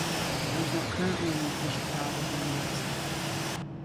There is not currently an official Powder Horn website.